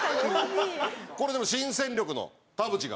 これでも新戦力の田渕が。